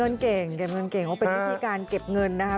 พี่หนุ่มเป็นที่การเก็บเงินนะค่ะ